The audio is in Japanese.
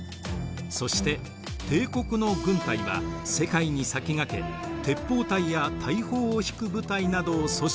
そして帝国の軍隊は世界に先駆け鉄砲隊や大砲を引く部隊などを組織していました。